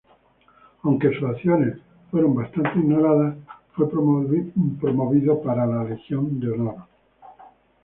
Aunque sus acciones fueron bastante ignoradas, fue promovido para la Legión de Honor.